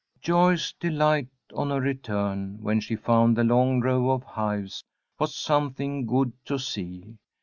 Joyce's delight on her return, when she found the long row of hives, was something good to see.